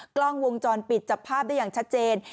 กล้องวงจรปิดจับภาพได้อย่างชัดเจน